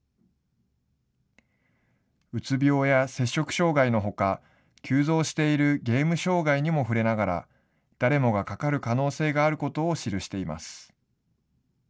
うつ病や摂食障害のほか、急増しているゲーム障害にも触れながら、誰もがかかる可能性があることを記しています。